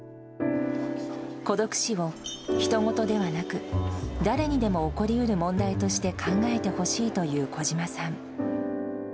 孤独死をひと事ではなく、誰にでも起こりうる問題として考えてほしいという小島さん。